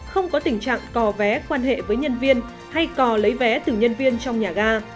không có tình trạng cò vé quan hệ với nhân viên hay cò lấy vé từ nhân viên trong nhà ga